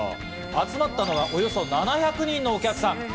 集まったのはおよそ７００人のお客さん。